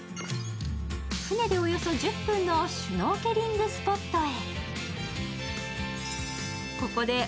船で、およそ１０分のシュノーケリングスポットへ。